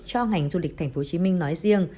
cho ngành du lịch tp hcm nói riêng